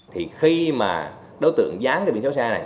thì khi mà đối tượng dán cái biển xấu xa này